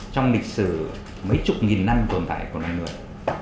trong lịch sử mấy chục nghìn năm tồn tại của loài người